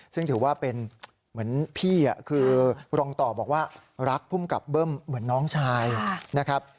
ซึ่งถือว่าเป็นเหมือนพี่คือรองต่อบอกว่ารักภูมิกับเบิ้มเหมือนน้องชายนะครับ